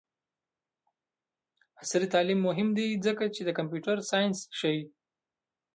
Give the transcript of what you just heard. عصري تعلیم مهم دی ځکه چې د کمپیوټر ساینس ښيي.